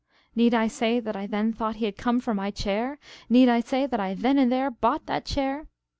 Need I say that I then thought he had come for my chair? Need I say that I then and there bought that chair?